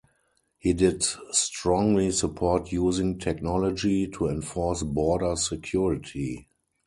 He did strongly support using technology to enforce border security.